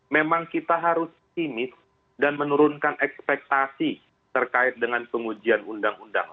memang kita harus timis dan menurunkan ekspektasi terkait dengan pengujian undang undang